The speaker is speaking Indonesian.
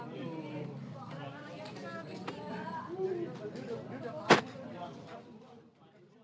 terima kasih pak